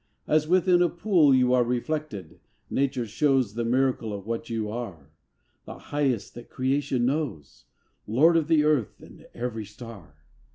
As within a pool You are reflected, Nature shows The miracle of what you are The highest that Creation knows: Lord of the earth and every star!